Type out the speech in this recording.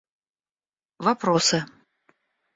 вопросы